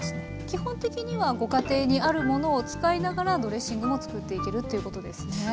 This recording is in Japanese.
基本的にはご家庭にあるものを使いながらドレッシングも作っていけるということですね。